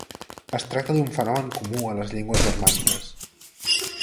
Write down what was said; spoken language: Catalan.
Es tracta d’un fenomen comú a les llengües germàniques.